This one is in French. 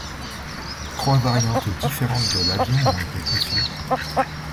Trois variantes différentes de l'avion ont été conçues.